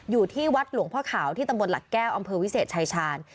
อยู่ที่วัดหลวงพ่อขาวที่ตำบลหลักแก้วอำเภอวิเศษชายชาญ